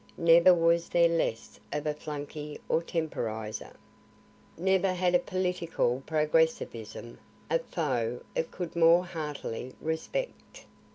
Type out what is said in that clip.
Never was there less of a flunkey or temporizer. Never had political progressivism a foe it could more heartily respect.